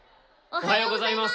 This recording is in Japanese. おはようございます！